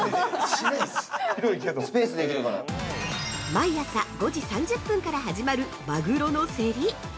◆毎朝５時３０分から始まるマグロのセリ！